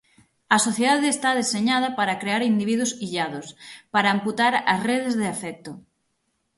A sociedade está deseñada para crear individuos illados, para amputar as redes de afecto.